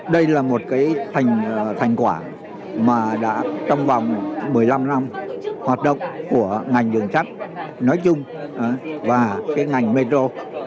đây là một cái thành quả mà đã trong vòng một mươi năm năm hoạt động của ngành đường sắt nói chung và cái ngành metro